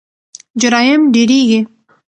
جرایم ډیریږي.